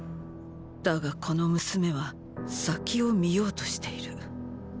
だがこの娘は先を見ようとしている？